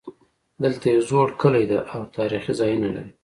دلته یو زوړ کلی ده او تاریخي ځایونه لري